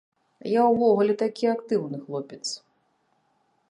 Я ўвогуле такі, актыўны хлопец.